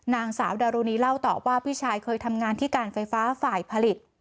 นางสาวดารุณีเล่าต่อว่าพี่ชายเคยทำงานที่การไฟฟ้าฝ่ายผลิต